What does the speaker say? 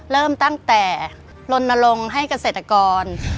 เริ่มตั้งแต่ลนลงให้เกษตรกร